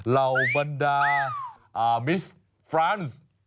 เหล่าบรรดามิสฟรานซ์